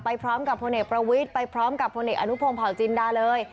พร้อมกับพลเอกประวิทย์ไปพร้อมกับพลเอกอนุพงศ์เผาจินดาเลย